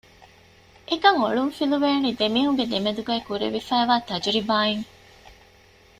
އެކަން އޮޅުން ފިލުވޭނީ ދެމީހުންގެ ދެމެދުގައި ކުރެވިފައިވާ ތަޖުރިބާއިން